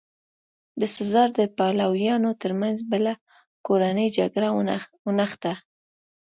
د سزار د پلویانو ترمنځ بله کورنۍ جګړه ونښته.